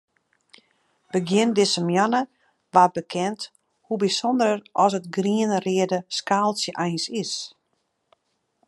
Begjin dizze moanne waard bekend hoe bysûnder as it grien-reade skaaltsje eins is.